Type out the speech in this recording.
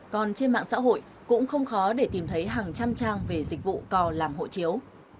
còn trên mạng xã hội cũng không khó để tìm thấy hàng trăm trang về dịch vụ cò làm hộ chiếu